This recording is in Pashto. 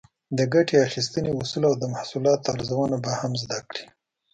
د ګټې اخیستنې اصول او د محصولاتو ارزونه به هم زده کړئ.